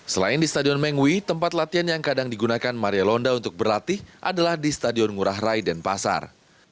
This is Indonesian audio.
selain di stadion mengwi tempat latihan yang kadang digunakan maria londa untuk berlatih adalah di stadion ngurah rai dan pasar